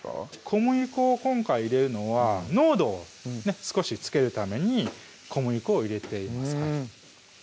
小麦粉を今回入れるのは濃度を少しつけるために小麦粉を入れています